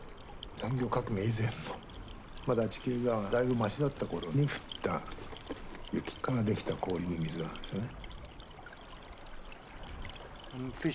産業革命以前のまだ地球がだいぶましだった頃に降った雪から出来た氷の水なんですよね。